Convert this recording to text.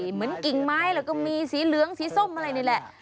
กิ่งไม้แล้วก็มีสีเหลืองสีส้มอะไรนี่แหละ